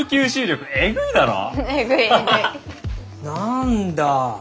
何だ。